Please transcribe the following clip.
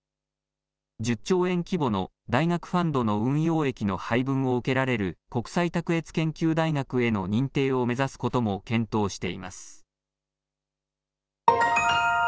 １０兆円規模の大学ファンドの運用益の配分を受けられる国際卓越研究大学への認定を目指すことも検討しています。